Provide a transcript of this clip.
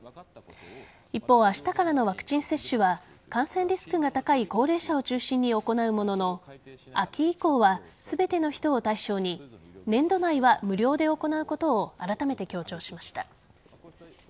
一方、明日からのワクチン接種は感染リスクが高い高齢者を中心に行うものの秋以降は全ての人を対象に年度内は無料で行うことをあらためて強調しました。